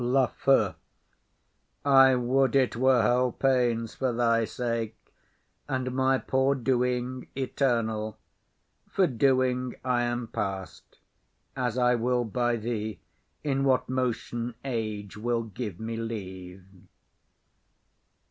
LAFEW. I would it were hell pains for thy sake, and my poor doing eternal; for doing I am past, as I will by thee, in what motion age will give me leave.